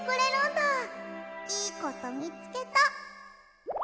いいことみつけた。